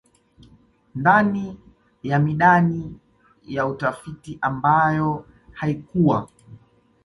ndani ya midani ya utafiti ambayo haikuwa